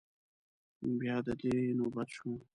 بيا د دوی نوبت شو.